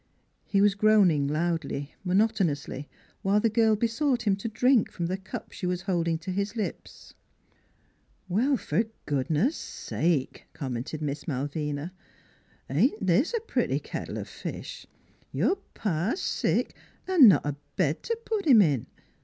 He was groaning loudly, monotonously, while the girl besought him to drink from the cup she was holding to his lips. " Well, f 'r goodness sake !" commented Miss Malvina. " Ain't this a pretty kettle o' fish ! your pa sick, an' not a bed t' put him in.